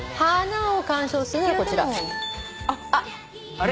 あれ？